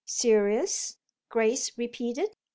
"Serious?" Grace repeated.